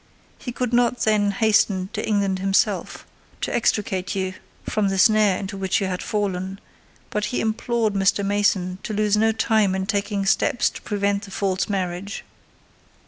He could not then hasten to England himself, to extricate you from the snare into which you had fallen, but he implored Mr. Mason to lose no time in taking steps to prevent the false marriage.